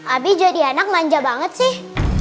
abi jadi anak manja banget sih